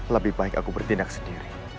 lebih baik aku bertindak sendiri